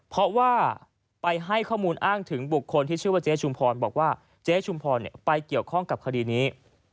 เพราะว่าไปให้ข้อมูลอ้างถึงบุคคลที่ชื่อว่าเจ๊ชุมพรบอกว่าเจ๊ชุมพรไปเกี่ยวข้องกับคดีนี้